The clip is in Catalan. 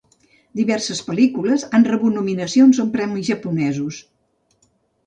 Diverses pel·lícules han rebut nominacions en premis japonesos.